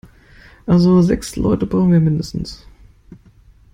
Also sechs Leute brauchen wir mindestens.